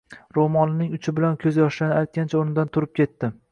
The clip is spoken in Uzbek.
Ro`molining uchi bilan ko`zyoshlarini artgancha o`rnidan turib ketdi